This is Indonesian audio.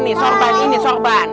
ini sorban nih sorban